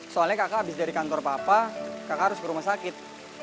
soalnya kakak habis dari kantor papa kakak harus ke rumah sakit